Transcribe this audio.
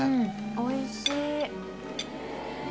おいしい！